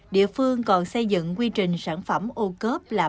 địa phương còn xây dựng quy trình sản phẩm ô cốp là bệnh